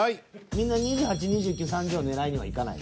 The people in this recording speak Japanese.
みんな２８２９３０を狙いにはいかない？